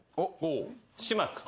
島君。